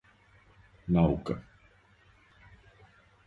наука